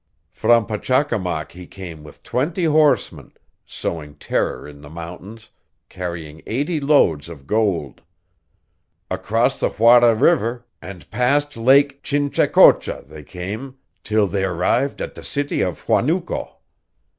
From Pachacamac he came with twenty horsemen, sowing terror in the mountains, carrying eighty loads of gold. Across the Juaja River and past Lake Chinchaycocha they came, till they arrived at the city of Huanuco.